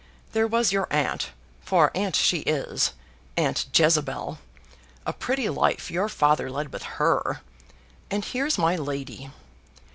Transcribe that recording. There was your aunt, for aunt she is aunt Jezebel, a pretty life your father led with HER! and here's my lady.